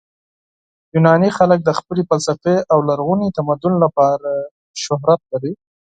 یوناني خلک د خپل فلسفې او لرغوني تمدن لپاره شهرت لري.